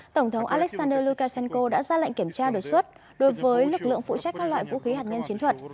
tổng thống alexander lukashenko đã ra lệnh kiểm tra đột xuất đối với lực lượng phụ trách các loại vũ khí hạt nhân chiến thuật